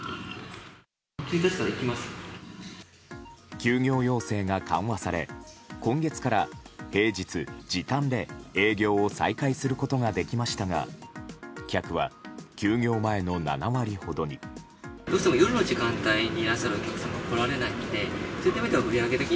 休業要請が緩和され今月から平日・時短で営業を再開することができましたが客は休業前の７割ほどに。